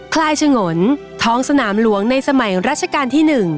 คลายฉงนท้องสนามหลวงในสมัยรัชกาลที่๑